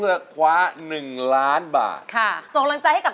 ทุกคนนี้ก็ส่งเสียงเชียร์ทางบ้านก็เชียร์ทางบ้านก็เชียร์